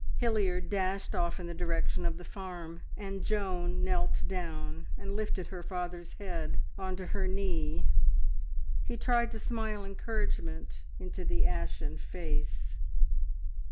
Hilliard dashed off in the direction of the farm, and Joan knelt down and lifted her father's head on to her knee. He tried to smile encouragement into the ashen face.